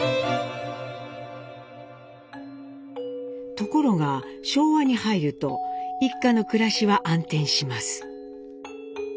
ところが昭和に入ると一家の暮らしは暗転します。